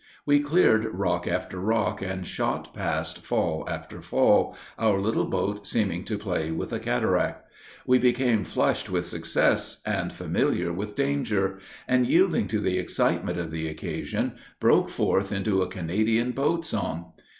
We cleared rock after rock, and shot past fall after fall, our little boat seeming to play with the cataract. We became flushed with success, and familiar with danger; and, yielding to the excitement of the occasion, broke forth into a Canadian boat song.